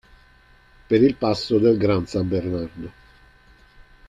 Per il passo del Gran San Bernardo.